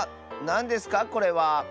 なんですかこれは？